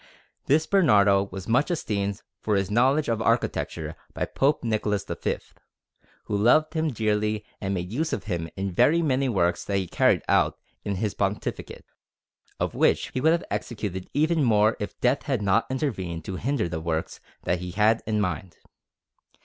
This Bernardo was much esteemed for his knowledge of architecture by Pope Nicholas V, who loved him dearly and made use of him in very many works that he carried out in his pontificate, of which he would have executed even more if death had not intervened to hinder the works that he had in mind.